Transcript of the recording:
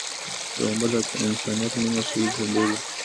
پیغمبر د انسانیت، مینې او سولې سمبول و.